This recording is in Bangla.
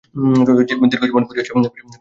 দীর্ঘ জীবন পড়িয়া আছে, পড়িয়া আছে বিপুল পৃথিবী।